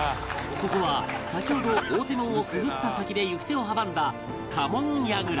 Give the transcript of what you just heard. ここは先ほど大手門をくぐった先で行く手を阻んだ多聞櫓